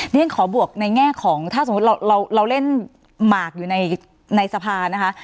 นี่ก็ขอบวกในแง่ของถ้าสมมติเราเราเล่นหมากอยู่ในในสะพานนะคะ